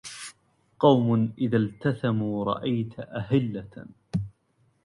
قوم إذا التثموا رأيت أهلة